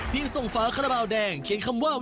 เพียงทรงฟ้าขระบาวแดงเขียนคำว่า